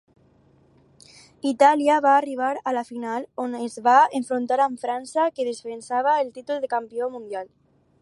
Itàlia va arribar a la final, on es va enfrontar amb França, que defensava el títol de campió mundial.